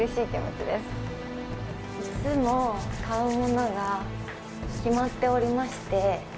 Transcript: いつも買うものが決まっておりまして。